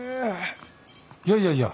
いやいやいや。